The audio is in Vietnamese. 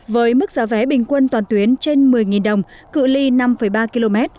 với mức giá vé bình quân toàn tuyến trên một mươi đồng cự li năm ba km